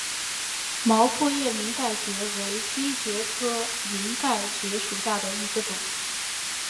毛阔叶鳞盖蕨为姬蕨科鳞盖蕨属下的一个种。